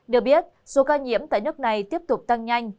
được biết số ca nhiễm tại nước này tiếp tục tăng nhanh